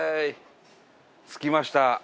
着きました。